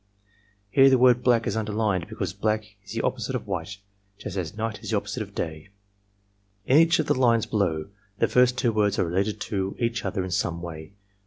"Here the word blade is underlined because black is the op posite of white just as night is the opposite of day. "In each of the lines below the first two words are related to each other in some way.